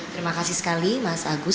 terima kasih sekali mas agus